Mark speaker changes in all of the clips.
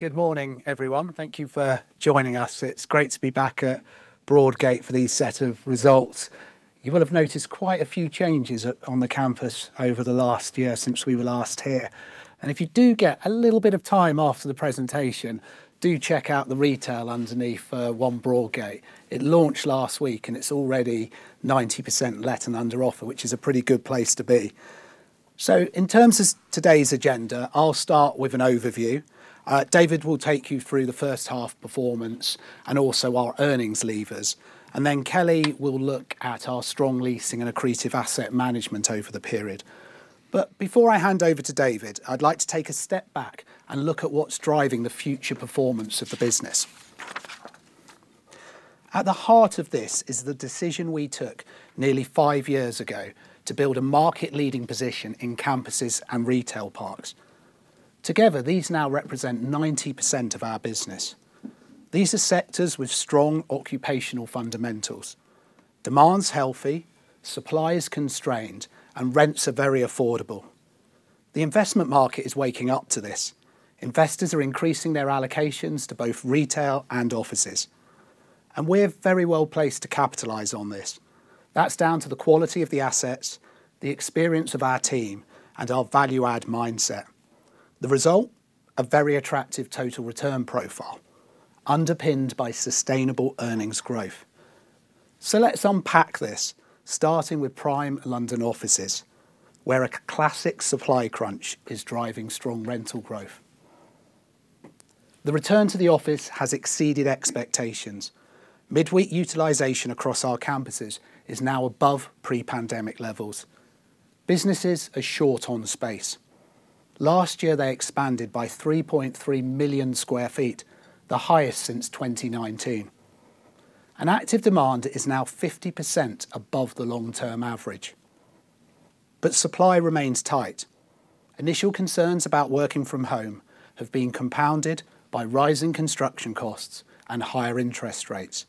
Speaker 1: Good morning, everyone. Thank you for joining us. It's great to be back at Broadgate for these set of results. You will have noticed quite a few changes on the campus over the last year since we were last here. If you do get a little bit of time after the presentation, do check out the retail underneath 1 Broadgate. It launched last week, and it's already 90% let and under offer, which is a pretty good place to be. In terms of today's agenda, I'll start with an overview. David will take you through the first half performance and also our earnings levers. Kelly will look at our strong leasing and accretive asset management over the period. Before I hand over to David, I'd like to take a step back and look at what's driving the future performance of the business. At the heart of this is the decision we took nearly five years ago to build a market-leading position in campuses and retail parks. Together, these now represent 90% of our business. These are sectors with strong occupational fundamentals, demand's healthy, supply is constrained, and rents are very affordable. The investment market is waking up to this. Investors are increasing their allocations to both retail and offices. We are very well placed to capitalise on this. That is down to the quality of the assets, the experience of our team, and our value-add mindset. The result? A very attractive total return profile, underpinned by sustainable earnings growth. Let us unpack this, starting with Prime London offices, where a classic supply crunch is driving strong rental growth. The return to the office has exceeded expectations. Midweek utilisation across our campuses is now above pre-pandemic levels. Businesses are short on space. Last year, they expanded by 3.3 million sq ft, the highest since 2019. Active demand is now 50% above the long-term average. Supply remains tight. Initial concerns about working from home have been compounded by rising construction costs and higher interest rates.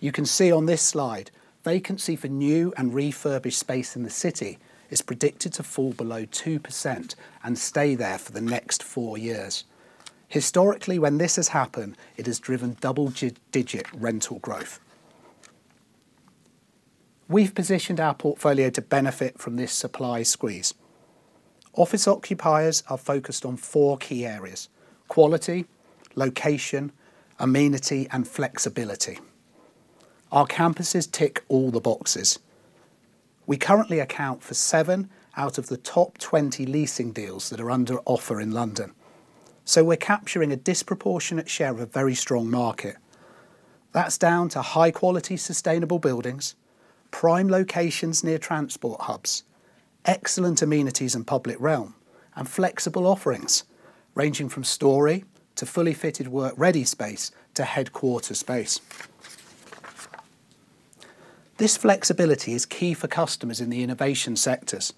Speaker 1: You can see on this slide, vacancy for new and refurbished space in the city is predicted to fall below 2% and stay there for the next four years. Historically, when this has happened, it has driven double-digit rental growth. We've positioned our portfolio to benefit from this supply squeeze. Office occupiers are focused on four key areas: quality, location, amenity, and flexibility. Our campuses tick all the boxes. We currently account for seven out of the top 20 leasing deals that are under offer in London. We are capturing a disproportionate share of a very strong market. That's down to high-quality sustainable buildings, prime locations near transport hubs, excellent amenities in public realm, and flexible offerings ranging from story to fully fitted work-ready space to headquarter space. This flexibility is key for customers in the innovation sectors.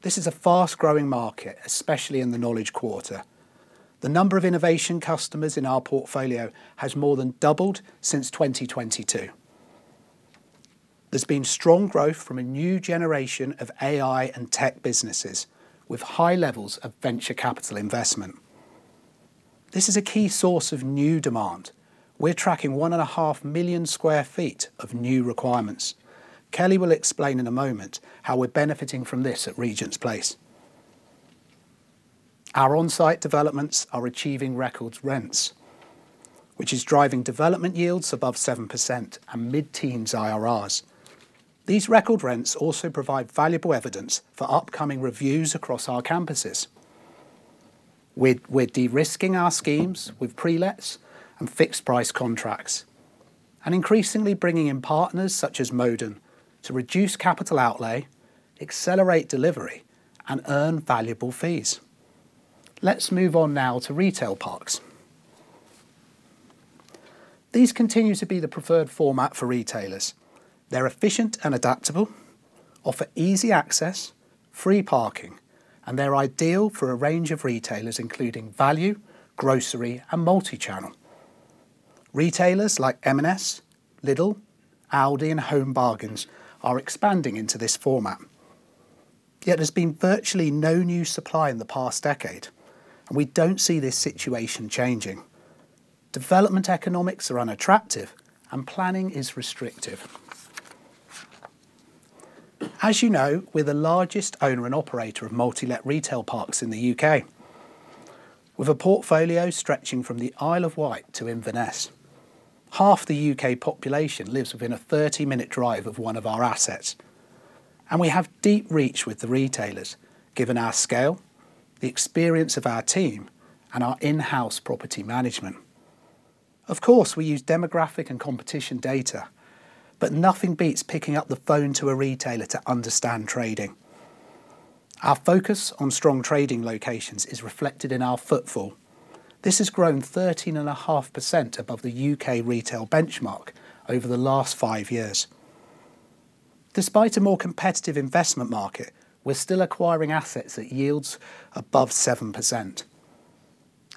Speaker 1: This is a fast-growing market, especially in the Knowledge Quarter. The number of innovation customers in our portfolio has more than doubled since 2022. There's been strong growth from a new generation of AI and tech businesses, with high levels of venture capital investment. This is a key source of new demand. We're tracking 1.5 million sq ft of new requirements. Kelly will explain in a moment how we're benefiting from this at Regent's Place. Our on-site developments are achieving record rents, which is driving development yields above 7% and mid-teens IRRs. These record rents also provide valuable evidence for upcoming reviews across our campuses. We're de-risking our schemes with pre-lets and fixed-price contracts, and increasingly bringing in partners such as Modon to reduce capital outlay, accelerate delivery, and earn valuable fees. Let's move on now to retail parks. These continue to be the preferred format for retailers. They're efficient and adaptable, offer easy access, free parking, and they're ideal for a range of retailers, including value, grocery, and multi-channel. Retailers like M&S, Lidl, Aldi, and Home Bargains are expanding into this format. Yet there's been virtually no new supply in the past decade, and we don't see this situation changing. Development economics are unattractive, and planning is restrictive. As you know, we're the largest owner and operator of multi-let retail parks in the U.K., with a portfolio stretching from the Isle of Wight to Inverness. Half the U.K. population lives within a 30-minute drive of one of our assets. We have deep reach with the retailers, given our scale, the experience of our team, and our in-house property management. Of course, we use demographic and competition data, but nothing beats picking up the phone to a retailer to understand trading. Our focus on strong trading locations is reflected in our footfall. This has grown 13.5% above the U.K. retail benchmark over the last five years. Despite a more competitive investment market, we're still acquiring assets at yields above 7%.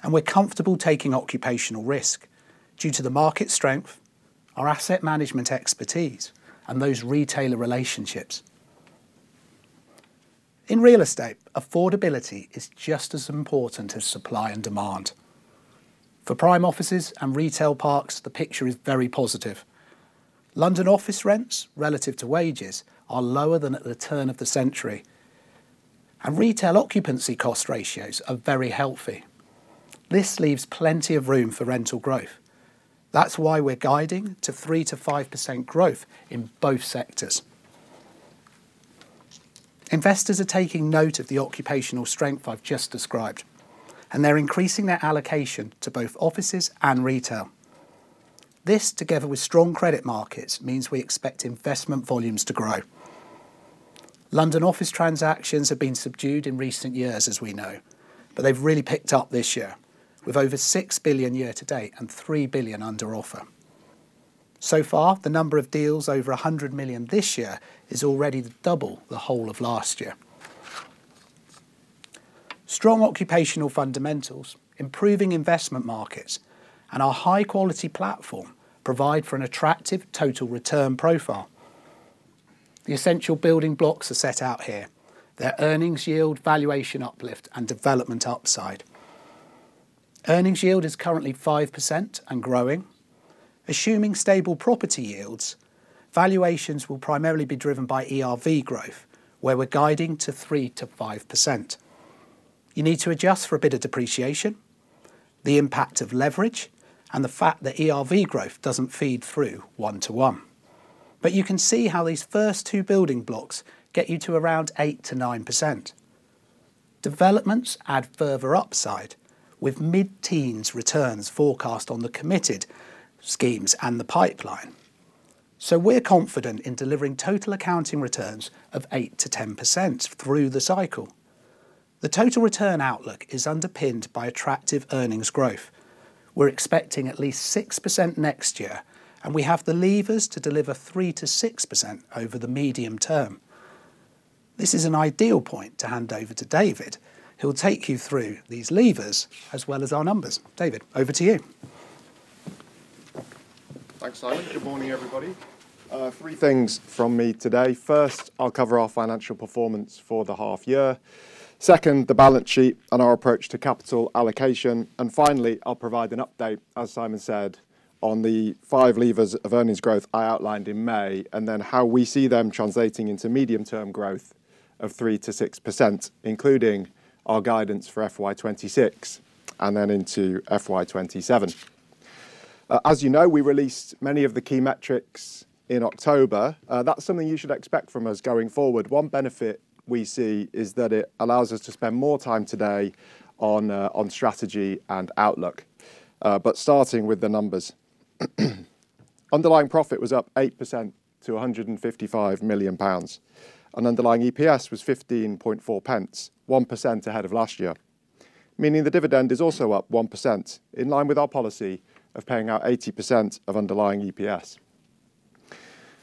Speaker 1: We're comfortable taking occupational risk due to the market strength, our asset management expertise, and those retailer relationships. In real estate, affordability is just as important as supply and demand. For prime offices and retail parks, the picture is very positive. London office rents, relative to wages, are lower than at the turn of the century. Retail occupancy cost ratios are very healthy. This leaves plenty of room for rental growth. That's why we're guiding to 3%-5% growth in both sectors. Investors are taking note of the occupational strength I've just described, and they're increasing their allocation to both offices and retail. This, together with strong credit markets, means we expect investment volumes to grow. London office transactions have been subdued in recent years, as we know, but they've really picked up this year, with over 6 billion year-to-date and 3 billion under offer. So far, the number of deals over 100 million this year is already double the whole of last year. Strong occupational fundamentals, improving investment markets, and our high-quality platform provide for an attractive total return profile. The essential building blocks are set out here: their earnings yield, valuation uplift, and development upside. Earnings yield is currently 5% and growing. Assuming stable property yields, valuations will primarily be driven by ERV growth, where we're guiding to 3%-5%. You need to adjust for a bit of depreciation, the impact of leverage, and the fact that ERV growth doesn't feed through one-to-one. You can see how these first two building blocks get you to around 8%-9%. Developments add further upside, with mid-teens returns forecast on the committed schemes and the pipeline. We are confident in delivering total accounting returns of 8%-10% through the cycle. The total return outlook is underpinned by attractive earnings growth. We are expecting at least 6% next year, and we have the levers to deliver 3%-6% over the medium term. This is an ideal point to hand over to David, who will take you through these levers as well as our numbers. David, over to you.
Speaker 2: Thanks, Simon. Good morning, everybody. Three things from me today. First, I'll cover our financial performance for the half-year. Second, the balance sheet and our approach to capital allocation. Finally, I'll provide an update, as Simon said, on the five levers of earnings growth I outlined in May, and then how we see them translating into medium-term growth of 3%-6%, including our guidance for FY2026 and then into FY2027. As you know, we released many of the key metrics in October. That is something you should expect from us going forward. One benefit we see is that it allows us to spend more time today on strategy and outlook. Starting with the numbers, underlying profit was up 8% to 155 million pounds. An underlying EPS was 15.40, 1% ahead of last year, meaning the dividend is also up 1%, in line with our policy of paying out 80% of underlying EPS.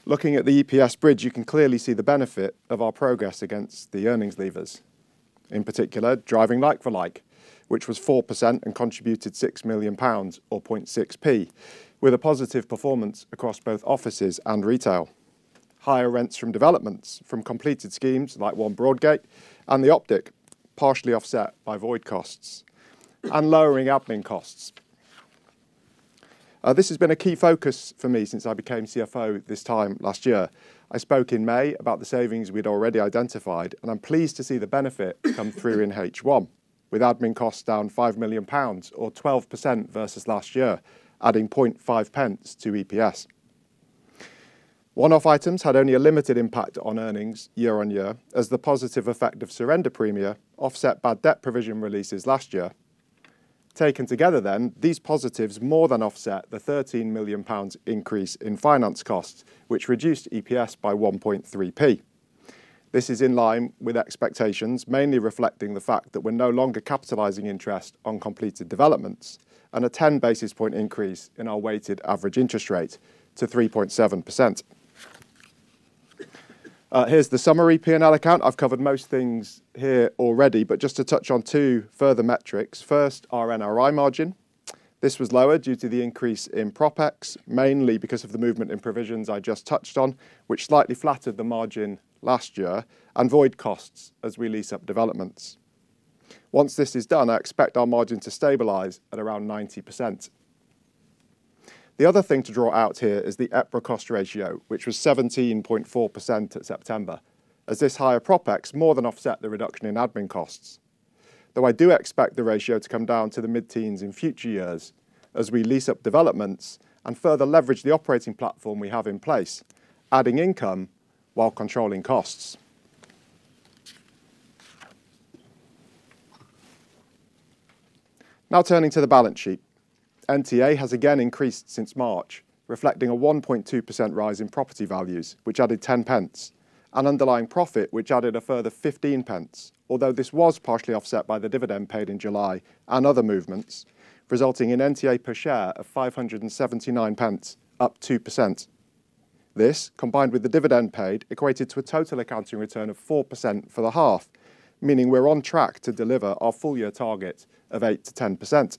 Speaker 2: Looking at the EPS bridge, you can clearly see the benefit of our progress against the earnings levers. In particular, driving like-for-like, which was 4% and contributed 6 million pounds, or 0.6p, with a positive performance across both offices and retail. Higher rents from developments, from completed schemes like 1 Broadgate and The Optic, partially offset by void costs and lowering admin costs. This has been a key focus for me since I became CFO this time last year. I spoke in May about the savings we had already identified, and I am pleased to see the benefit come through in H1, with admin costs down 5 million pounds, or 12% versus last year, adding 0.5 pence to EPS. One-off items had only a limited impact on earnings year-on-year, as the positive effect of surrender premia offset bad debt provision releases last year. Taken together, then, these positives more than offset the 13 million pounds increase in finance costs, which reduced EPS by 1.3p. This is in line with expectations, mainly reflecting the fact that we're no longer capitalizing interest on completed developments and a 10 basis point increase in our weighted average interest rate to 3.7%. Here's the summary P&L account. I've covered most things here already, but just to touch on two further metrics. First, our NRI margin. This was lower due to the increase in OpEx, mainly because of the movement in provisions I just touched on, which slightly flattered the margin last year, and void costs as we lease up developments. Once this is done, I expect our margin to stabilize at around 90%. The other thing to draw out here is the EPRA cost ratio, which was 17.4% at September, as this higher PropEx more than offset the reduction in admin costs. Though I do expect the ratio to come down to the mid-teens in future years as we lease up developments and further leverage the operating platform we have in place, adding income while controlling costs. Now turning to the balance sheet, NTA has again increased since March, reflecting a 1.2% rise in property values, which added 10 pence, and underlying profit, which added a further 15 pence, although this was partially offset by the dividend paid in July and other movements, resulting in NTA per share of 579, up 2%. This, combined with the dividend paid, equated to a total accounting return of 4% for the half, meaning we're on track to deliver our full-year target of 8%-10%.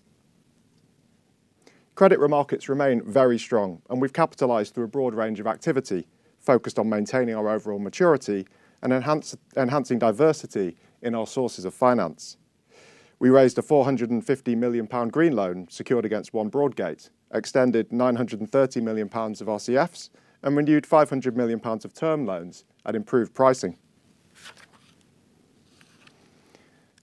Speaker 2: Credit remarkets remain very strong, and we've capitalized through a broad range of activity focused on maintaining our overall maturity and enhancing diversity in our sources of finance. We raised a 450 million pound green loan secured against 1 Broadgate, extended 930 million pounds of RCFs, and renewed 500 million pounds of term loans at improved pricing.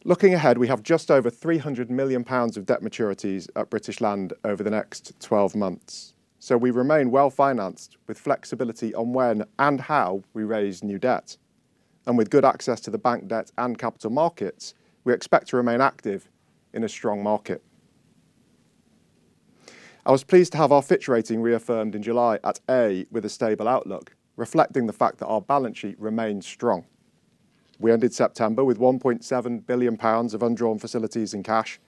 Speaker 2: Looking ahead, we have just over 300 million pounds of debt maturities at British Land over the next 12 months. We remain well-financed with flexibility on when and how we raise new debt. With good access to the bank debt and capital markets, we expect to remain active in a strong market. I was pleased to have our Fitch rating reaffirmed in July at A with a stable outlook, reflecting the fact that our balance sheet remains strong. We ended September with 1.7 billion pounds of undrawn facilities in cash.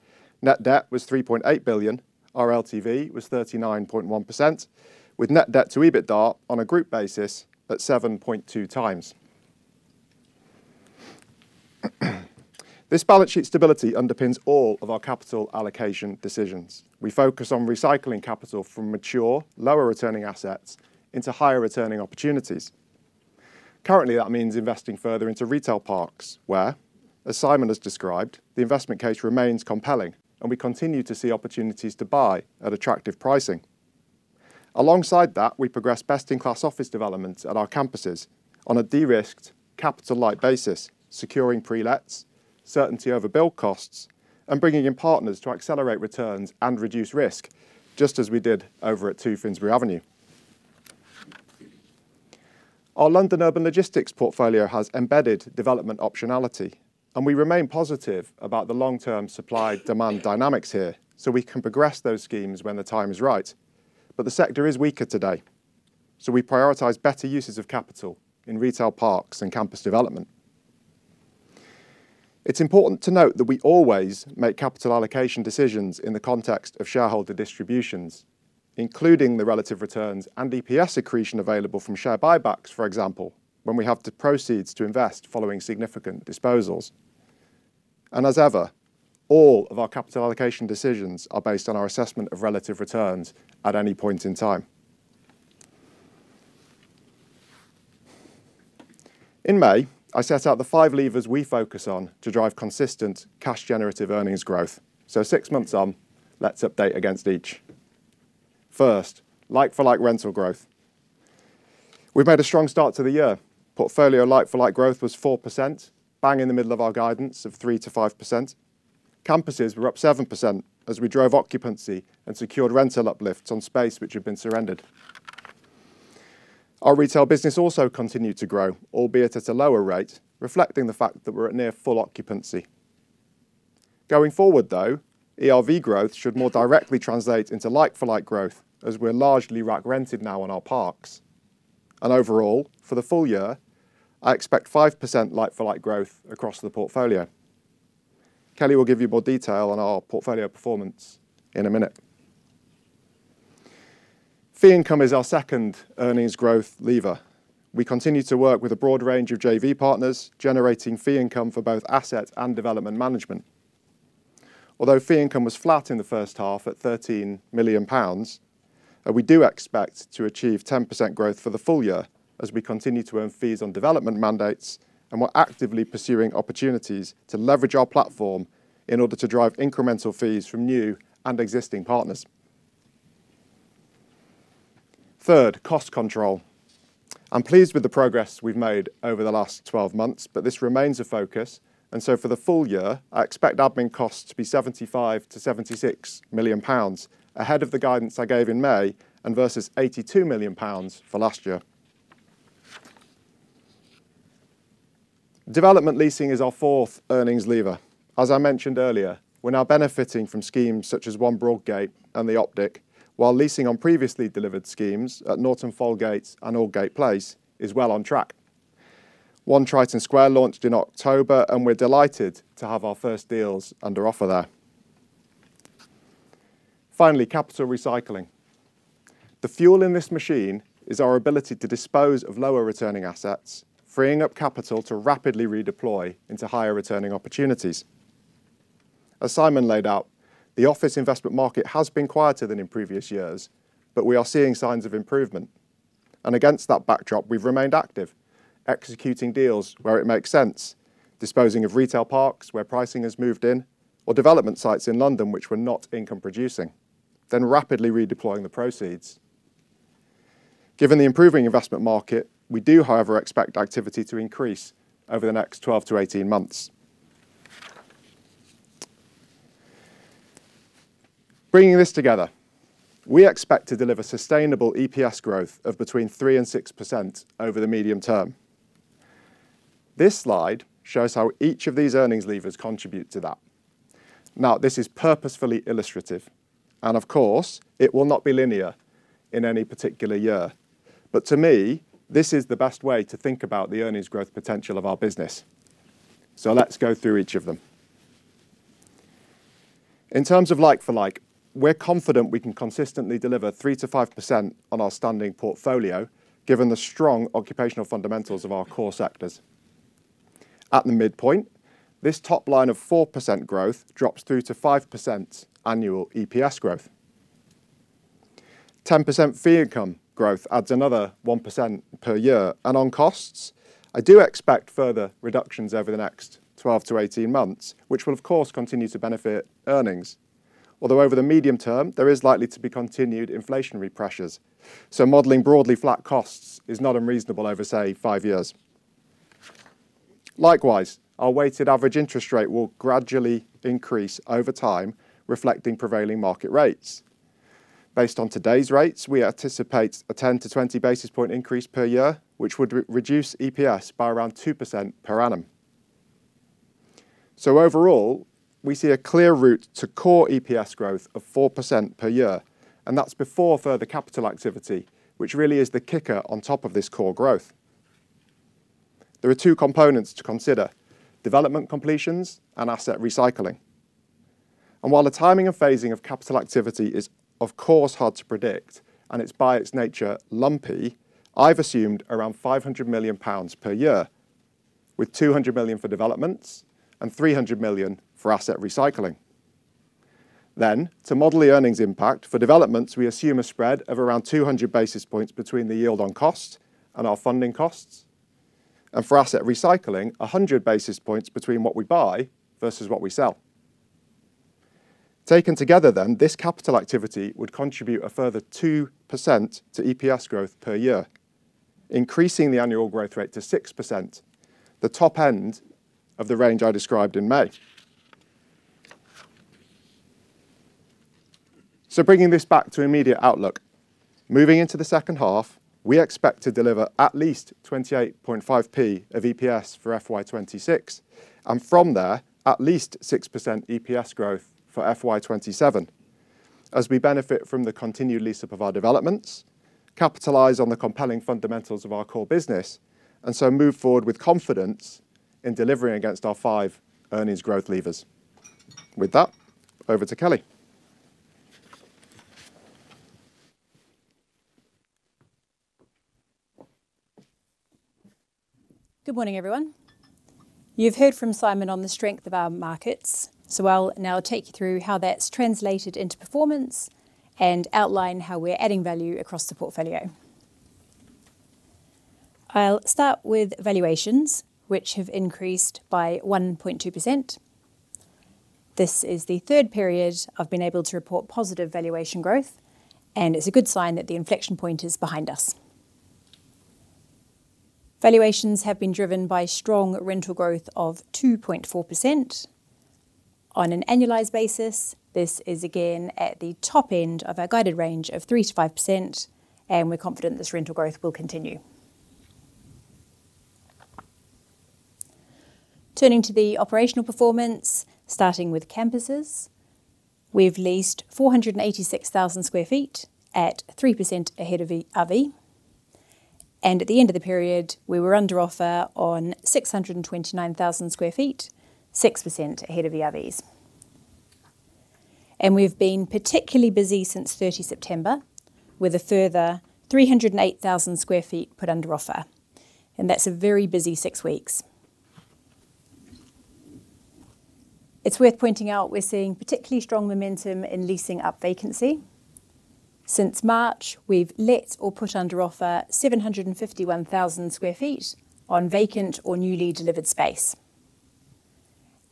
Speaker 2: Net debt was 3.8 billion. Our LTV was 39.1%, with net debt to EBITDA on a group basis at 7.2 times. This balance sheet stability underpins all of our capital allocation decisions. We focus on recycling capital from mature, lower-returning assets into higher-returning opportunities. Currently, that means investing further into retail parks where, as Simon has described, the investment case remains compelling, and we continue to see opportunities to buy at attractive pricing. Alongside that, we progress best-in-class office developments at our campuses on a de-risked, capital-light basis, securing pre-lets, certainty over build costs, and bringing in partners to accelerate returns and reduce risk, just as we did over at 2 Finsbury Avenue. Our London Urban Logistics portfolio has embedded development optionality, and we remain positive about the long-term supply-demand dynamics here, so we can progress those schemes when the time is right. The sector is weaker today, so we prioritize better uses of capital in retail parks and campus development. It is important to note that we always make capital allocation decisions in the context of shareholder distributions, including the relative returns and EPS accretion available from share buybacks, for example, when we have to proceed to invest following significant disposals. As ever, all of our capital allocation decisions are based on our assessment of relative returns at any point in time. In May, I set out the five levers we focus on to drive consistent cash-generative earnings growth. Six months on, let's update against each. First, like-for-like rental growth. We have made a strong start to the year. Portfolio like-for-like growth was 4%, right in the middle of our guidance of 3%-5%. Campuses were up 7% as we drove occupancy and secured rental uplifts on space which had been surrendered. Our retail business also continued to grow, albeit at a lower rate, reflecting the fact that we're at near full occupancy. Going forward, though, ERV growth should more directly translate into like-for-like growth, as we're largely rack-rented now on our parks. Overall, for the full year, I expect 5% like-for-like growth across the portfolio. Kelly will give you more detail on our portfolio performance in a minute. Fee income is our second earnings growth lever. We continue to work with a broad range of JV partners, generating fee income for both asset and development management. Although fee income was flat in the first half at 13 million pounds, we do expect to achieve 10% growth for the full year as we continue to earn fees on development mandates and we are actively pursuing opportunities to leverage our platform in order to drive incremental fees from new and existing partners. Third, cost control. I am pleased with the progress we have made over the last 12 months, this remains a focus. For the full year, I expect admin costs to be 75-76 million pounds ahead of the guidance I gave in May and versus 82 million pounds for last year. Development leasing is our fourth earnings lever. As I mentioned earlier, we are now benefiting from schemes such as 1 Broadgate and The Optic, while leasing on previously delivered schemes at Norton Folgate and Aldgate Place is well on track. 1 Triton Square launched in October, and we're delighted to have our first deals under offer there. Finally, capital recycling. The fuel in this machine is our ability to dispose of lower-returning assets, freeing up capital to rapidly redeploy into higher-returning opportunities. As Simon laid out, the office investment market has been quieter than in previous years, but we are seeing signs of improvement. Against that backdrop, we've remained active, executing deals where it makes sense, disposing of retail parks where pricing has moved in, or development sites in London which were not income-producing, then rapidly redeploying the proceeds. Given the improving investment market, we do, however, expect activity to increase over the next 12-18 months. Bringing this together, we expect to deliver sustainable EPS growth of between 3-6% over the medium term. This slide shows how each of these earnings levers contribute to that. Now, this is purposefully illustrative, and of course, it will not be linear in any particular year. To me, this is the best way to think about the earnings growth potential of our business. Let's go through each of them. In terms of like-for-like, we're confident we can consistently deliver 3%-5% on our standing portfolio, given the strong occupational fundamentals of our core sectors. At the midpoint, this top line of 4% growth drops through to 5% annual EPS growth. 10% fee income growth adds another 1% per year. On costs, I do expect further reductions over the next 12-18 months, which will, of course, continue to benefit earnings. Although over the medium term, there is likely to be continued inflationary pressures. Modelling broadly flat costs is not unreasonable over, say, five years. Likewise, our weighted average interest rate will gradually increase over time, reflecting prevailing market rates. Based on today's rates, we anticipate a 10-20 basis point increase per year, which would reduce EPS by around 2% per annum. Overall, we see a clear route to core EPS growth of 4% per year, and that's before further capital activity, which really is the kicker on top of this core growth. There are two components to consider: development completions and asset recycling. While the timing and phasing of capital activity is, of course, hard to predict and it's by its nature lumpy, I've assumed around 500 million pounds per year, with 200 million for developments and 300 million for asset recycling. To model the earnings impact for developments, we assume a spread of around 200 basis points between the yield on cost and our funding costs, and for asset recycling, 100 basis points between what we buy versus what we sell. Taken together, this capital activity would contribute a further 2% to EPS growth per year, increasing the annual growth rate to 6%, the top end of the range I described in May. Bringing this back to immediate outlook, moving into the second half, we expect to deliver at least 0.285 of EPS for FY2026, and from there, at least 6% EPS growth for FY2027, as we benefit from the continued lease-up of our developments, capitalize on the compelling fundamentals of our core business, and move forward with confidence in delivering against our five earnings growth levers. With that, over to Kelly.
Speaker 3: Good morning, everyone. You've heard from Simon on the strength of our markets. I will now take you through how that's translated into performance and outline how we're adding value across the portfolio. I will start with valuations, which have increased by 1.2%. This is the third period I have been able to report positive valuation growth, and it's a good sign that the inflection point is behind us. Valuations have been driven by strong rental growth of 2.4%. On an annualized basis, this is again at the top end of our guided range of 3%-5%, and we're confident this rental growth will continue. Turning to the operational performance, starting with campuses, we've leased 486,000 sq ft at 3% ahead of the ERV. At the end of the period, we were under offer on 629,000 sq ft, 6% ahead of the ERVs. We have been particularly busy since 30 September, with a further 308,000 sq ft put under offer. That is a very busy six weeks. It is worth pointing out we are seeing particularly strong momentum in leasing up vacancy. Since March, we have let or put under offer 751,000 sq ft on vacant or newly delivered space.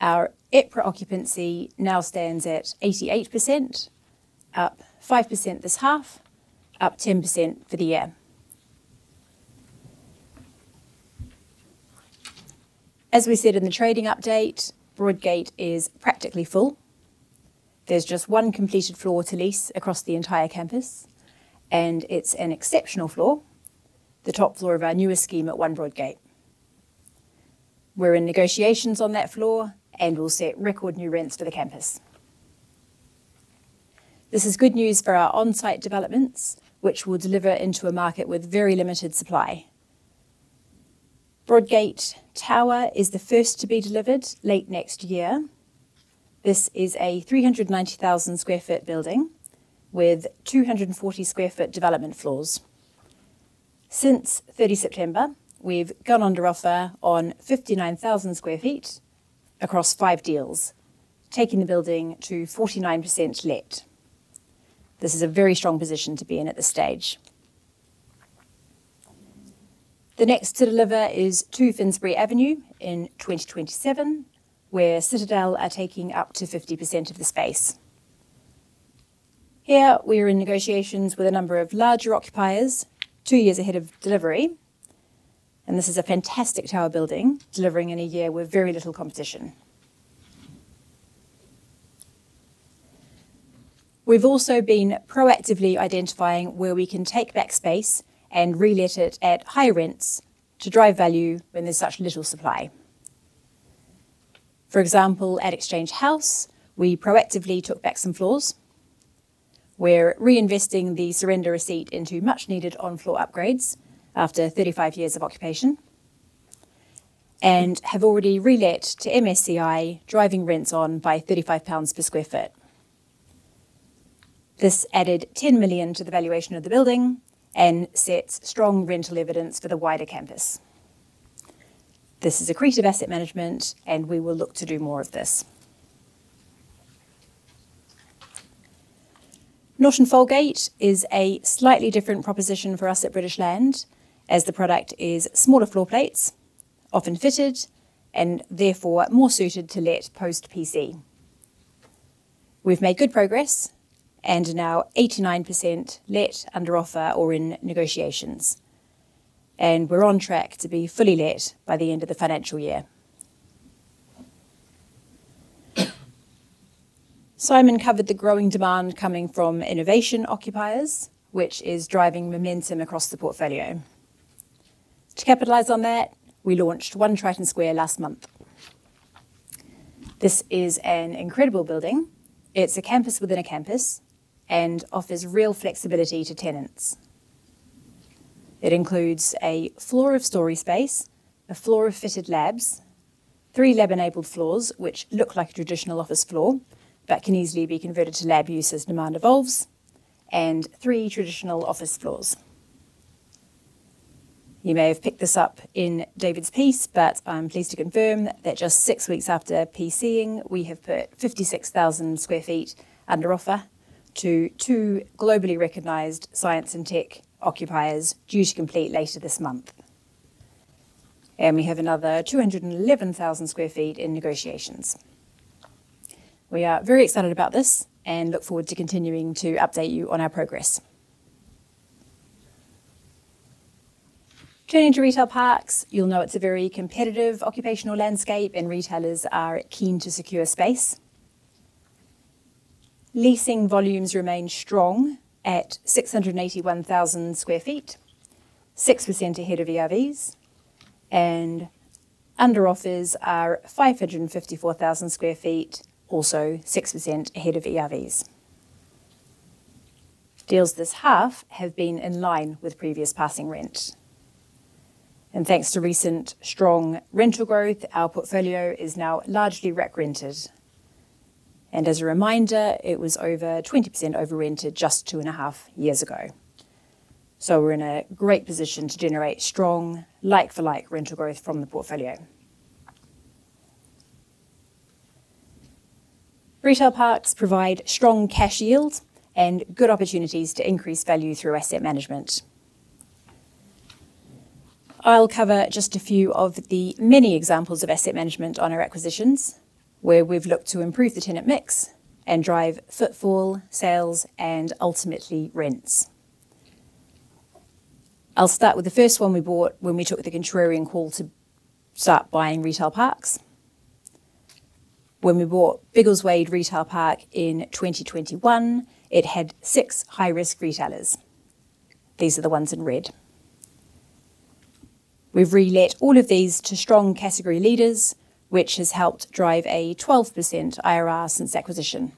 Speaker 3: Our EPRA occupancy now stands at 88%, up 5% this half, up 10% for the year. As we said in the trading update, Broadgate is practically full. There is just one completed floor to lease across the entire campus, and it is an exceptional floor, the top floor of our newest scheme at 1 Broadgate. We are in negotiations on that floor, and we will set record new rents for the campus. This is good news for our on-site developments, which will deliver into a market with very limited supply. Broadgate Tower is the first to be delivered late next year. This is a 390,000 sq ft building with 240 sq ft development floors. Since 30 September, we've gone under offer on 59,000 sq ft across five deals, taking the building to 49% let. This is a very strong position to be in at this stage. The next to deliver is 2 Finsbury Avenue in 2027, where Citadel are taking up to 50% of the space. Here, we are in negotiations with a number of larger occupiers two years ahead of delivery. This is a fantastic tower building, delivering in a year with very little competition. We've also been proactively identifying where we can take back space and relit it at high rents to drive value when there's such little supply. For example, at Exchange House, we proactively took back some floors. We're reinvesting the surrender receipt into much-needed on-floor upgrades after 35 years of occupation and have already relet to MSCI, driving rents on by 35 pounds per sq ft. This added 10 million to the valuation of the building and sets strong rental evidence for the wider campus. This is creative asset management, and we will look to do more of this. Norton Folgate is a slightly different proposition for us at British Land, as the product is smaller floor plates, often fitted, and therefore more suited to let post-PC. We've made good progress and are now 89% let, under offer, or in negotiations. We're on track to be fully let by the end of the financial year. Simon covered the growing demand coming from innovation occupiers, which is driving momentum across the portfolio. To capitalize on that, we launched 1 Triton Square last month. This is an incredible building. It's a campus within a campus and offers real flexibility to tenants. It includes a floor of story space, a floor of fitted labs, three lab-enabled floors which look like a traditional office floor but can easily be converted to lab use as demand evolves, and three traditional office floors. You may have picked this up in David's piece, but I'm pleased to confirm that just six weeks after PCing, we have put 56,000 sq ft under offer to two globally recognized science and tech occupiers due to complete later this month. We have another 211,000 sq ft in negotiations. We are very excited about this and look forward to continuing to update you on our progress. Turning to retail parks, you'll know it's a very competitive occupational landscape and retailers are keen to secure space. Leasing volumes remain strong at 681,000 sq ft, 6% ahead of ERVs, and under offers are 554,000 sq ft, also 6% ahead of ERVs. Deals this half have been in line with previous passing rent. Thanks to recent strong rental growth, our portfolio is now largely re-rented. As a reminder, it was over 20% over-rented just two and a half years ago. We are in a great position to generate strong like-for-like rental growth from the portfolio. Retail parks provide strong cash yields and good opportunities to increase value through asset management. I'll cover just a few of the many examples of asset management on our acquisitions where we've looked to improve the tenant mix and drive footfall, sales, and ultimately rents. I'll start with the first one we bought when we took the contrarian call to start buying retail parks. When we bought Biggleswade Retail Park in 2021, it had six high-risk retailers. These are the ones in red. We have relet all of these to strong category leaders, which has helped drive a 12% IRR since acquisition.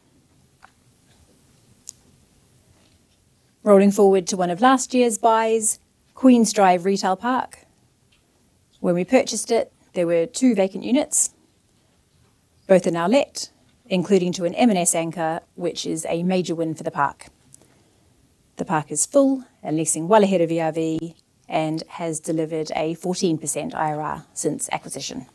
Speaker 3: Rolling forward to one of last year's buys, Queensdrive Retail Park. When we purchased it, there were two vacant units. Both are now let, including to an M&S anchor, which is a major win for the park. The park is full and leasing well ahead of ERV and has delivered a 14% IRR since acquisition.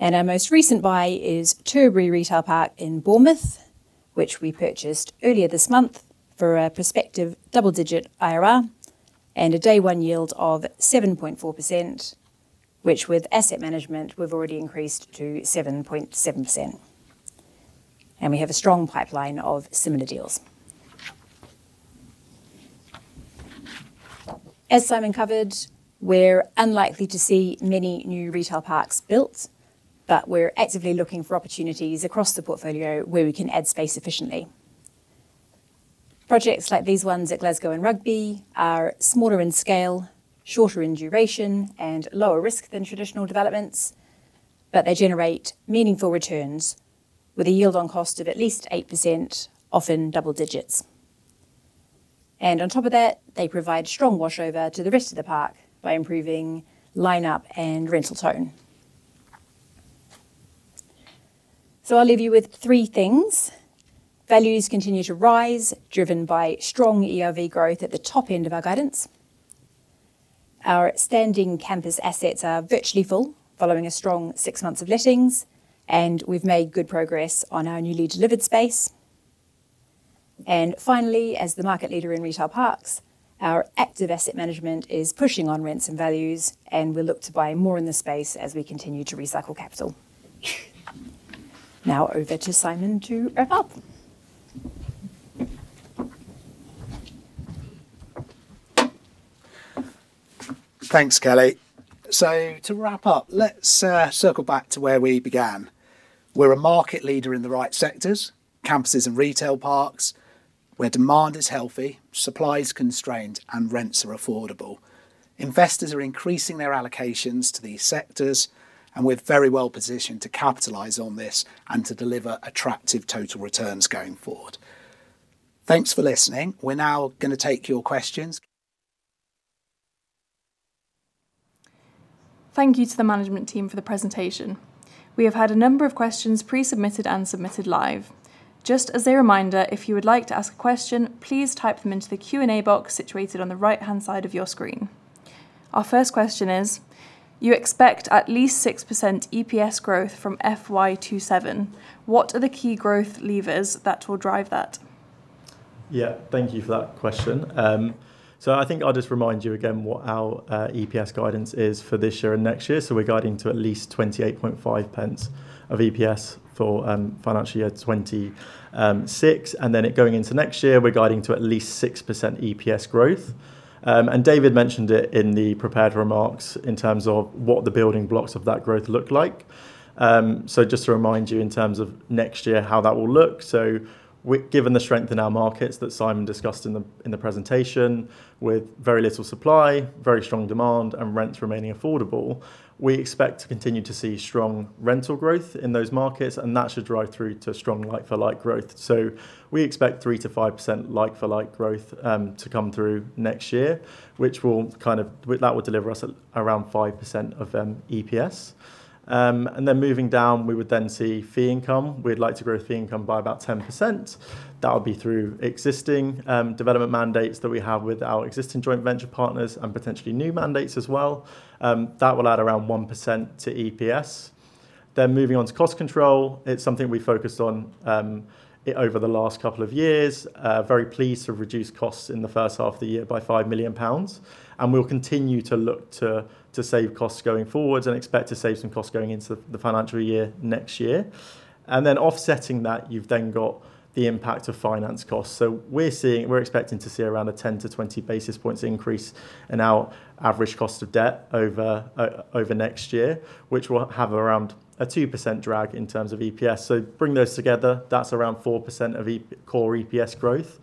Speaker 3: Our most recent buy is Turbary Retail Park in Bournemouth, which we purchased earlier this month for a prospective double-digit IRR and a day-one yield of 7.4%, which with asset management we have already increased to 7.7%. We have a strong pipeline of similar deals. As Simon covered, we're unlikely to see many new retail parks built, but we're actively looking for opportunities across the portfolio where we can add space efficiently. Projects like these ones at Glasgow and Rugby are smaller in scale, shorter in duration, and lower risk than traditional developments, but they generate meaningful returns with a yield on cost of at least 8%, often double digits. On top of that, they provide strong washover to the rest of the park by improving lineup and rental tone. I'll leave you with three things. Values continue to rise, driven by strong ERV growth at the top end of our guidance. Our standing campus assets are virtually full following a strong six months of lettings, and we've made good progress on our newly delivered space. Finally, as the market leader in retail parks, our active asset management is pushing on rents and values, and we'll look to buy more in the space as we continue to recycle capital. Now over to Simon to wrap up.
Speaker 1: Thanks, Kelly. To wrap up, let's circle back to where we began. We're a market leader in the right sectors, campuses and retail parks, where demand is healthy, supply is constrained, and rents are affordable. Investors are increasing their allocations to these sectors, and we're very well positioned to capitalise on this and to deliver attractive total returns going forward. Thanks for listening. We're now going to take your questions.
Speaker 4: Thank you to the management team for the presentation. We have had a number of questions pre-submitted and submitted live. Just as a reminder, if you would like to ask a question, please type them into the Q&A box situated on the right-hand side of your screen. Our first question is, you expect at least 6% EPS growth from FY2027. What are the key growth levers that will drive that?
Speaker 5: Yeah, thank you for that question. I think I'll just remind you again what our EPS guidance is for this year and next year. We're guiding to at least 0.285 of EPS for financial year 2026. Going into next year, we're guiding to at least 6% EPS growth. David mentioned it in the prepared remarks in terms of what the building blocks of that growth look like. Just to remind you in terms of next year how that will look, given the strength in our markets that Simon discussed in the presentation, with very little supply, very strong demand, and rents remaining affordable, we expect to continue to see strong rental growth in those markets, and that should drive through to strong like-for-like growth. We expect 3%-5% like-for-like growth to come through next year, which will kind of deliver us around 5% of EPS. Moving down, we would then see fee income. We'd like to grow fee income by about 10%. That would be through existing development mandates that we have with our existing joint venture partners and potentially new mandates as well. That will add around 1% to EPS. Moving on to cost control, it's something we focused on over the last couple of years. Very pleased to have reduced costs in the first half of the year by 5 million pounds. We will continue to look to save costs going forward and expect to save some costs going into the financial year next year. Offsetting that, you have the impact of finance costs. We are expecting to see around a 10-20 basis points increase in our average cost of debt over next year, which will have around a 2% drag in terms of EPS. Bringing those together, that is around 4% of core EPS growth.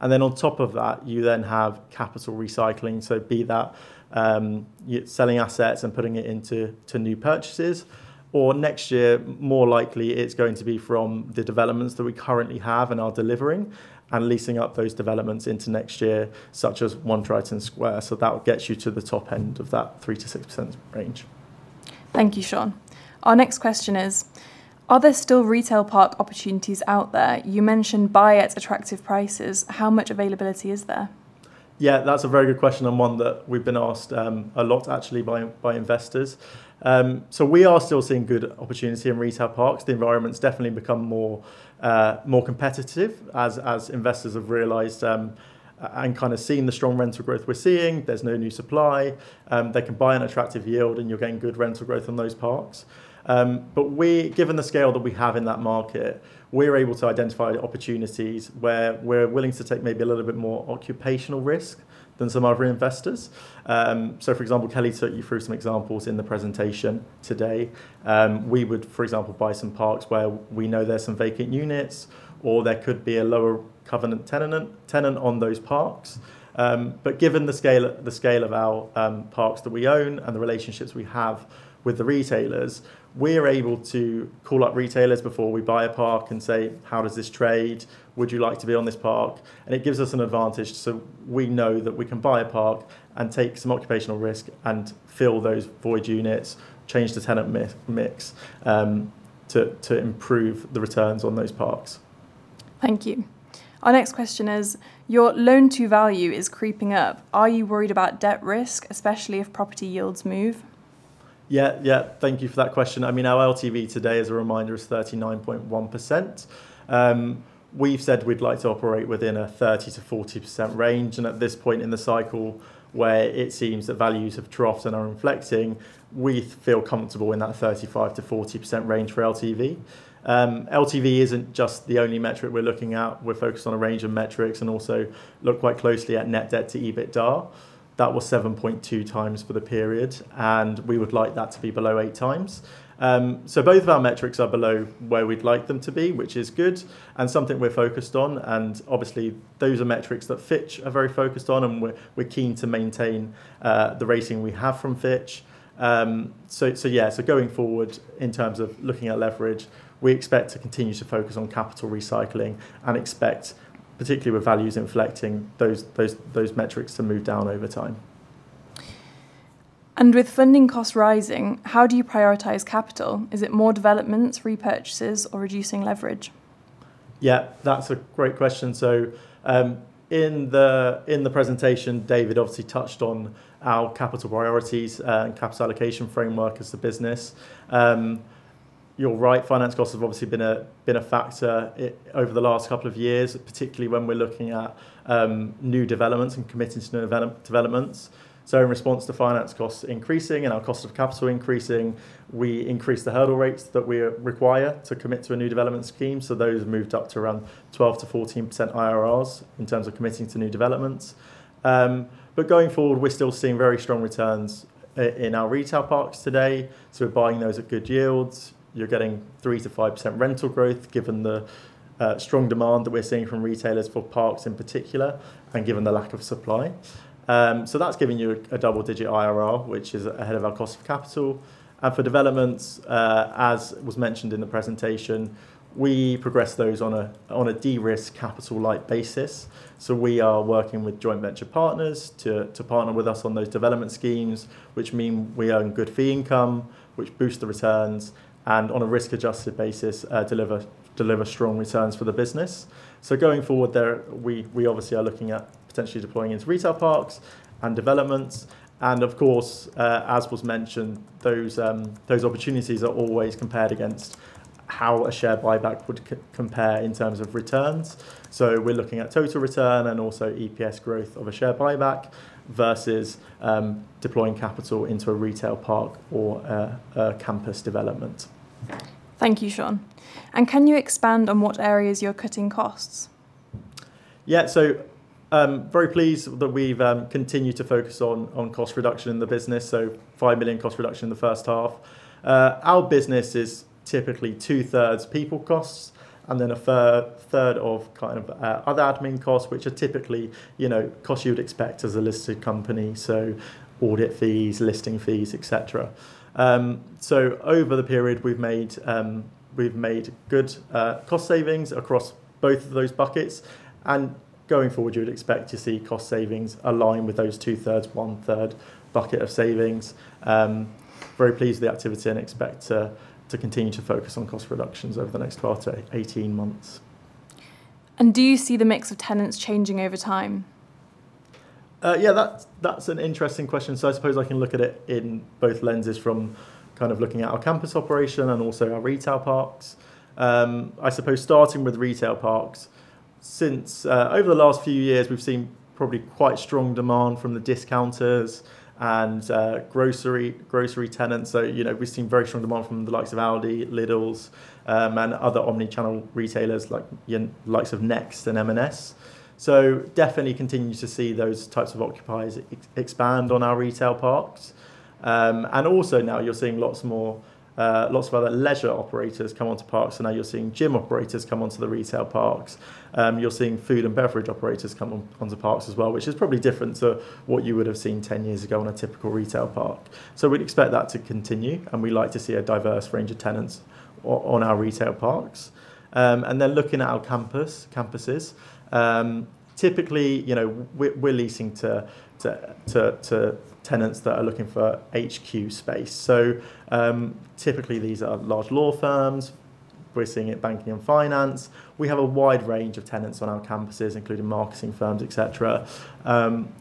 Speaker 5: On top of that, you have capital recycling, be that selling assets and putting it into new purchases. Next year, more likely it's going to be from the developments that we currently have and are delivering and leasing up those developments into next year, such as 1 Triton Square. That gets you to the top end of that 3%-6% range.
Speaker 4: Thank you, Sean. Our next question is, are there still retail park opportunities out there? You mentioned buy at attractive prices. How much availability is there?
Speaker 5: Yeah, that's a very good question and one that we've been asked a lot actually by investors. We are still seeing good opportunity in retail parks. The environment's definitely become more competitive as investors have realized and kind of seen the strong rental growth we're seeing. There's no new supply. They can buy at an attractive yield and you're getting good rental growth on those parks. Given the scale that we have in that market, we're able to identify opportunities where we're willing to take maybe a little bit more occupational risk than some other investors. For example, Kelly took you through some examples in the presentation today. We would, for example, buy some parks where we know there's some vacant units or there could be a lower covenant tenant on those parks. Given the scale of our parks that we own and the relationships we have with the retailers, we're able to call up retailers before we buy a park and say, how does this trade? Would you like to be on this park? It gives us an advantage so we know that we can buy a park and take some occupational risk and fill those void units, change the tenant mix to improve the returns on those parks.
Speaker 4: Thank you. Our next question is, your loan-to-value is creeping up. Are you worried about debt risk, especially if property yields move?
Speaker 5: Yeah, yeah. Thank you for that question. I mean, our LTV today, as a reminder, is 39.1%. We've said we'd like to operate within a 30-40% range. At this point in the cycle where it seems that values have dropped and are inflecting, we feel comfortable in that 35%-40% range for LTV. LTV isn't just the only metric we're looking at. We're focused on a range of metrics and also look quite closely at net debt to EBITDA. That was 7.2 times for the period, and we would like that to be below eight times. Both of our metrics are below where we'd like them to be, which is good and something we're focused on. Obviously, those are metrics that Fitch are very focused on, and we're keen to maintain the rating we have from Fitch. Going forward in terms of looking at leverage, we expect to continue to focus on capital recycling and expect, particularly with values inflecting, those metrics to move down over time.
Speaker 4: With funding costs rising, how do you prioritize capital? Is it more developments, repurchases, or reducing leverage?
Speaker 5: That's a great question. In the presentation, David obviously touched on our capital priorities and capital allocation framework as the business. You're right, finance costs have obviously been a factor over the last couple of years, particularly when we're looking at new developments and committing to new developments. In response to finance costs increasing and our cost of capital increasing, we increased the hurdle rates that we require to commit to a new development scheme. Those moved up to around 12%-14% IRRs in terms of committing to new developments. Going forward, we're still seeing very strong returns in our retail parks today. We're buying those at good yields. You're getting 3%-5% rental growth given the strong demand that we're seeing from retailers for parks in particular and given the lack of supply. That's giving you a double-digit IRR, which is ahead of our cost of capital. For developments, as was mentioned in the presentation, we progress those on a de-risk capital-light basis. We are working with joint venture partners to partner with us on those development schemes, which mean we earn good fee income, which boosts the returns, and on a risk-adjusted basis, deliver strong returns for the business. Going forward, we obviously are looking at potentially deploying into retail parks and developments. Of course, as was mentioned, those opportunities are always compared against how a share buyback would compare in terms of returns. We are looking at total return and also EPS growth of a share buyback versus deploying capital into a retail park or a campus development.
Speaker 4: Thank you, Sean. Can you expand on what areas you're cutting costs?
Speaker 5: Yeah, very pleased that we've continued to focus on cost reduction in the business. 5 million cost reduction in the first half. Our business is typically two-thirds people costs and then a third of kind of other admin costs, which are typically costs you would expect as a listed company. Audit fees, listing fees, etc. Over the period, we've made good cost savings across both of those buckets. Going forward, you would expect to see cost savings align with those two-thirds, one-third bucket of savings. Very pleased with the activity and expect to continue to focus on cost reductions over the next 18 months.
Speaker 4: Do you see the mix of tenants changing over time?
Speaker 5: Yeah, that's an interesting question. I suppose I can look at it in both lenses from kind of looking at our campus operation and also our retail parks. I suppose starting with retail parks, since over the last few years, we've seen probably quite strong demand from the discounters and grocery tenants. We have seen very strong demand from the likes of Aldi, Lidl, and other omnichannel retailers like Next and M&S. We definitely continue to see those types of occupiers expand on our retail parks. You are also now seeing lots of other leisure operators come onto parks. Now you are seeing gym operators come onto the retail parks. You are seeing food and beverage operators come onto parks as well, which is probably different to what you would have seen 10 years ago on a typical retail park. We would expect that to continue, and we would like to see a diverse range of tenants on our retail parks. Looking at our campuses, typically we are leasing to tenants that are looking for HQ space. Typically these are large law firms. We are seeing it in banking and finance. We have a wide range of tenants on our campuses, including marketing firms, etc.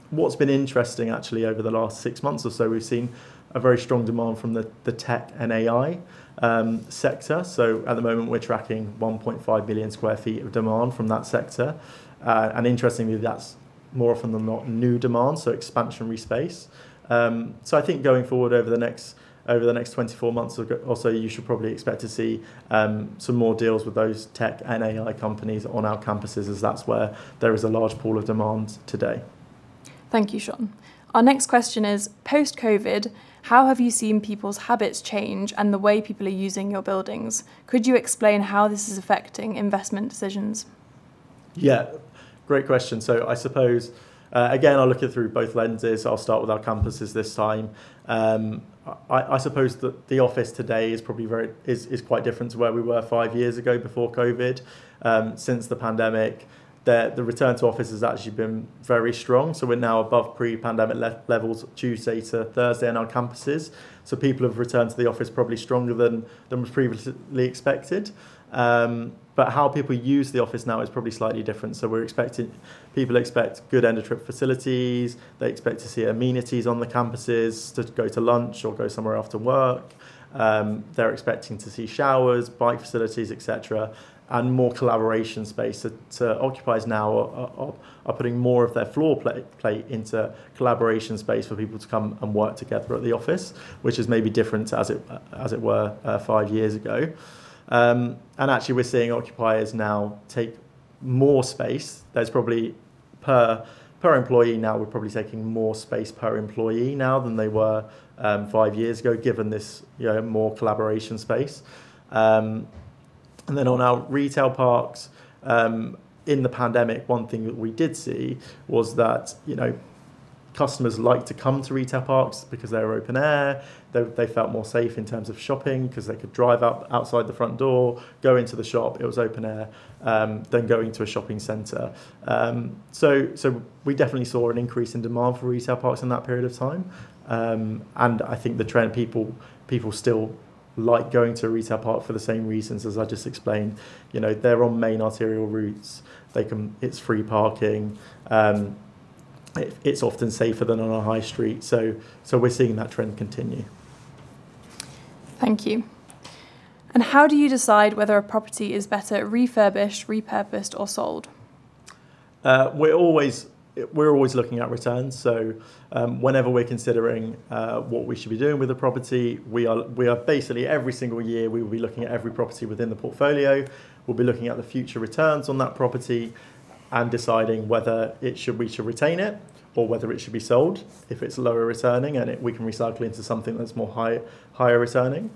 Speaker 5: What's been interesting actually over the last six months or so, we've seen a very strong demand from the tech and AI sector. At the moment, we're tracking 1.5 billion sq ft of demand from that sector. Interestingly, that's more often than not new demand, so expansionary space. I think going forward over the next 24 months or so, you should probably expect to see some more deals with those tech and AI companies on our campuses as that's where there is a large pool of demand today.
Speaker 4: Thank you, Sean. Our next question is, post-COVID, how have you seen people's habits change and the way people are using your buildings? Could you explain how this is affecting investment decisions?
Speaker 5: Yeah, great question. I suppose, again, I'll look at it through both lenses. I'll start with our campuses this time. I suppose that the office today is quite different to where we were five years ago before COVID. Since the pandemic, the return to office has actually been very strong. We're now above pre-pandemic levels Tuesday to Thursday on our campuses. People have returned to the office probably stronger than was previously expected. How people use the office now is probably slightly different. People expect good end-of-trip facilities. They expect to see amenities on the campuses to go to lunch or go somewhere after work. They're expecting to see showers, bike facilities, etc., and more collaboration space. Occupiers now are putting more of their floor plate into collaboration space for people to come and work together at the office, which is maybe different as it were five years ago. Actually, we're seeing occupiers now take more space. Per employee now, we're probably taking more space per employee now than they were five years ago given this more collaboration space. On our retail parks, in the pandemic, one thing that we did see was that customers liked to come to retail parks because they were open air. They felt more safe in terms of shopping because they could drive outside the front door, go into the shop. It was open air, then go into a shopping centre. We definitely saw an increase in demand for retail parks in that period of time. I think the trend, people still like going to a retail park for the same reasons as I just explained. They're on main arterial routes. It's free parking. It's often safer than on a high street. We are seeing that trend continue.
Speaker 4: Thank you. How do you decide whether a property is better refurbished, repurposed, or sold?
Speaker 5: We're always looking at returns. Whenever we're considering what we should be doing with a property, basically every single year, we will be looking at every property within the portfolio. We'll be looking at the future returns on that property and deciding whether we should retain it or whether it should be sold if it's lower returning and we can recycle into something that's more higher returning.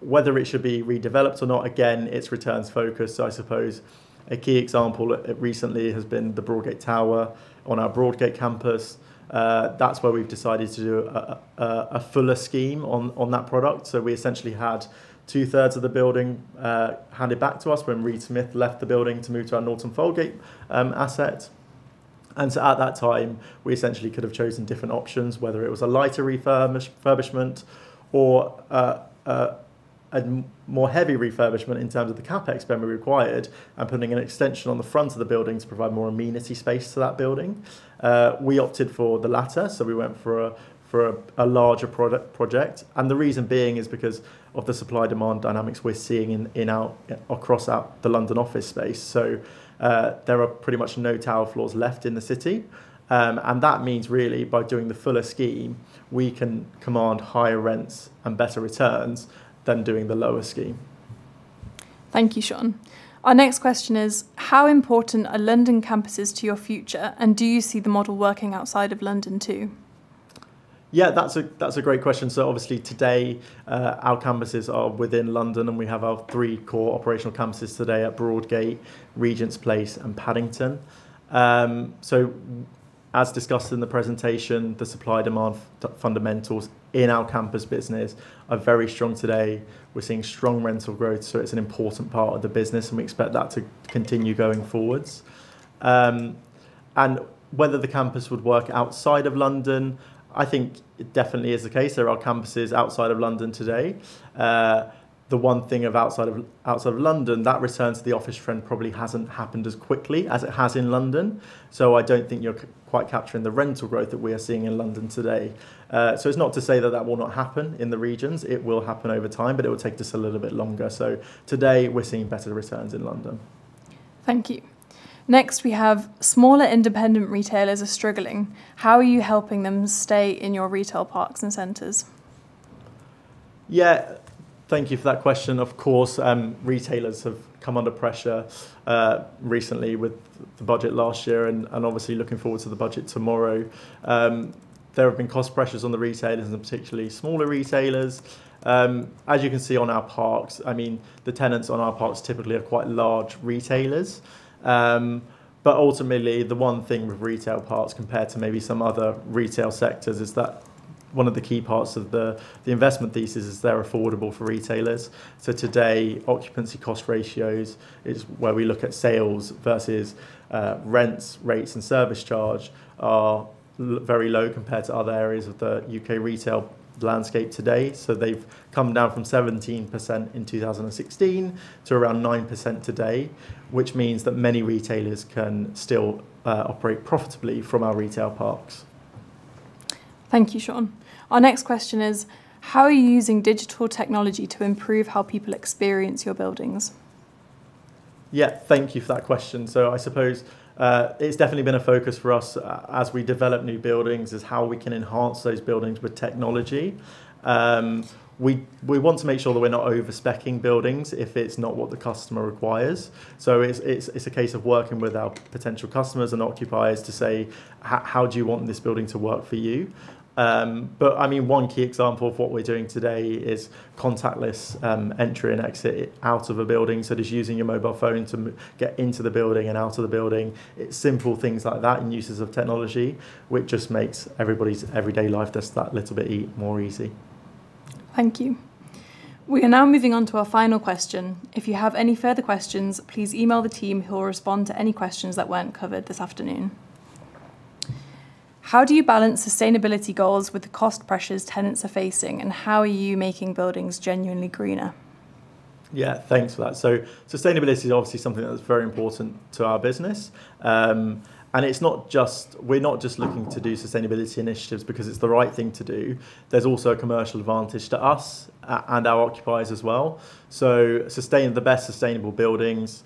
Speaker 5: Whether it should be redeveloped or not, again, it's returns focused. I suppose a key example recently has been the Broadgate Tower on our Broadgate campus. That is where we have decided to do a fuller scheme on that product. We essentially had two-thirds of the building handed back to us when Reed Smith left the building to move to our Norton Folgate asset. At that time, we essentially could have chosen different options, whether it was a lighter refurbishment or a more heavy refurbishment in terms of the CapEx being required and putting an extension on the front of the building to provide more amenity space to that building. We opted for the latter, so we went for a larger project. The reason being is because of the supply-demand dynamics we are seeing across the London office space. There are pretty much no tower floors left in the city. That means really by doing the fuller scheme, we can command higher rents and better returns than doing the lower scheme.
Speaker 4: Thank you, Sean. Our next question is, how important are London campuses to your future, and do you see the model working outside of London too?
Speaker 5: Yeah, that's a great question. Obviously today, our campuses are within London, and we have our three core operational campuses today at Broadgate, Regent's Place, and Paddington. As discussed in the presentation, the supply-demand fundamentals in our campus business are very strong today. We're seeing strong rental growth, so it's an important part of the business, and we expect that to continue going forwards. Whether the campus would work outside of London, I think it definitely is the case. There are campuses outside of London today. The one thing outside of London, that return to the office trend probably has not happened as quickly as it has in London. I do not think you are quite capturing the rental growth that we are seeing in London today. It is not to say that that will not happen in the regions. It will happen over time, but it will take just a little bit longer. Today, we are seeing better returns in London.
Speaker 4: Thank you. Next, we have smaller independent retailers are struggling. How are you helping them stay in your retail parks and centres?
Speaker 5: Thank you for that question. Of course, retailers have come under pressure recently with the budget last year and obviously looking forward to the budget tomorrow. There have been cost pressures on the retailers and particularly smaller retailers. As you can see on our parks, I mean, the tenants on our parks typically are quite large retailers. Ultimately, the one thing with retail parks compared to maybe some other retail sectors is that one of the key parts of the investment thesis is they're affordable for retailers. Today, occupancy cost ratios is where we look at sales versus rents, rates, and service charge are very low compared to other areas of the U.K. retail landscape today. They have come down from 17% in 2016 to around 9% today, which means that many retailers can still operate profitably from our retail parks.
Speaker 4: Thank you, Sean. Our next question is, how are you using digital technology to improve how people experience your buildings?
Speaker 5: Yeah, thank you for that question. I suppose it's definitely been a focus for us as we develop new buildings is how we can enhance those buildings with technology. We want to make sure that we're not overspeccing buildings if it's not what the customer requires. It's a case of working with our potential customers and occupiers to say, how do you want this building to work for you? I mean, one key example of what we're doing today is contactless entry and exit out of a building. Just using your mobile phone to get into the building and out of the building. It's simple things like that and uses of technology, which just makes everybody's everyday life just that little bit more easy.
Speaker 4: Thank you. We are now moving on to our final question. If you have any further questions, please email the team who will respond to any questions that were not covered this afternoon. How do you balance sustainability goals with the cost pressures tenants are facing, and how are you making buildings genuinely greener?
Speaker 5: Yeah, thanks for that. Sustainability is obviously something that is very important to our business. We are not just looking to do sustainability initiatives because it is the right thing to do. There is also a commercial advantage to us and our occupiers as well. The best sustainable buildings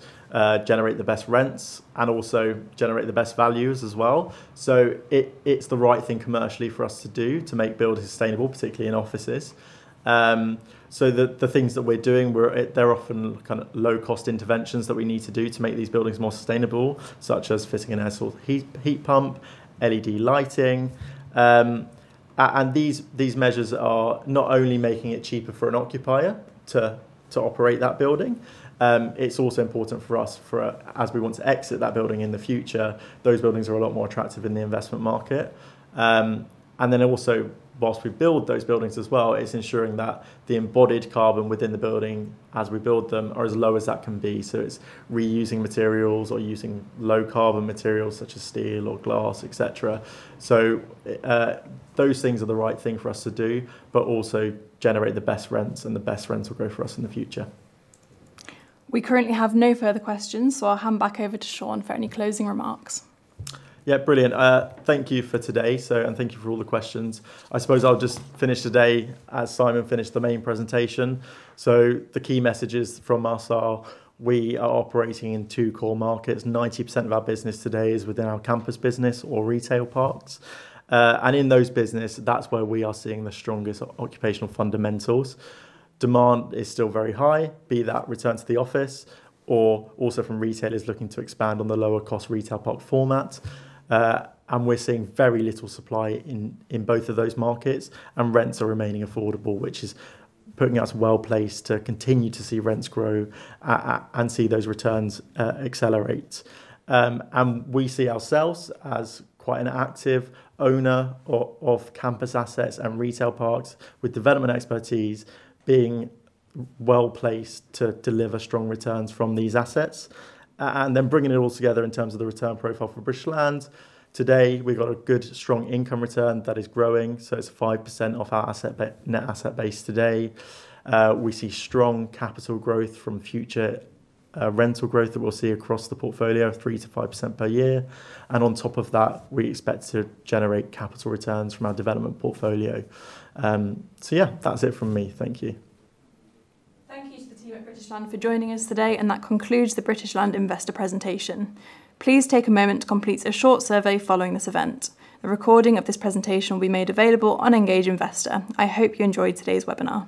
Speaker 5: generate the best rents and also generate the best values as well. It is the right thing commercially for us to do to make buildings sustainable, particularly in offices. The things that we're doing, they're often kind of low-cost interventions that we need to do to make these buildings more sustainable, such as fitting in air source heat pump, LED lighting. These measures are not only making it cheaper for an occupier to operate that building, it's also important for us as we want to exit that building in the future. Those buildings are a lot more attractive in the investment market. Also, whilst we build those buildings as well, it's ensuring that the embodied carbon within the building as we build them are as low as that can be. It's reusing materials or using low-carbon materials such as steel or glass, etc. Those things are the right thing for us to do, but also generate the best rents and the best rental growth for us in the future.
Speaker 4: We currently have no further questions, so I'll hand back over to Sean for any closing remarks.
Speaker 5: Yeah, brilliant. Thank you for today, and thank you for all the questions. I suppose I'll just finish today as Simon finished the main presentation. The key messages from our style, we are operating in two core markets. 90% of our business today is within our campus business or retail parks. In those businesses, that's where we are seeing the strongest occupational fundamentals. Demand is still very high, be that return to the office or also from retailers looking to expand on the lower-cost retail park format. We are seeing very little supply in both of those markets, and rents are remaining affordable, which is putting us well placed to continue to see rents grow and see those returns accelerate. We see ourselves as quite an active owner of campus assets and retail parks with development expertise being well placed to deliver strong returns from these assets. Bringing it all together in terms of the return profile for British Land, today, we have a good strong income return that is growing. It is 5% off our net asset base today. We see strong capital growth from future rental growth that we will see across the portfolio, 3%-5% per year. On top of that, we expect to generate capital returns from our development portfolio. That is it from me. Thank you.
Speaker 4: Thank you to the team at British Land for joining us today, and that concludes the British Land Investor presentation. Please take a moment to complete a short survey following this event. A recording of this presentation will be made available on Engage Investor. I hope you enjoyed today's webinar.